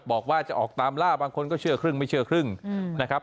บอกว่าจะออกตามล่าบางคนก็เชื่อครึ่งไม่เชื่อครึ่งนะครับ